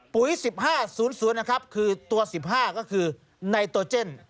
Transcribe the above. ปุ๋ย๑๕๐๐นะครับคือตัว๑๕ก็คือไนโตเจน